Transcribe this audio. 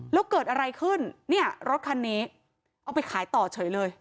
แล้วเกิดอะไรขึ้นเนี่ยรถคันนี้เอาไปขายต่อเฉยเลย